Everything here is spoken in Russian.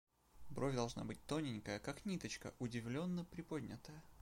Бровь должна быть тоненькая, как ниточка, удивленно-приподнятая.